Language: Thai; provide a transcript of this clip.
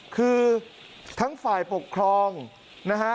คือทั้งฝ่ายปกครองนะฮะ